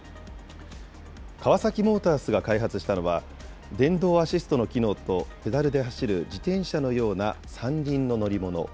カワサキモータースが開発したのは、電動アシストの機能とペダルで走る自転車のような３輪の乗り物。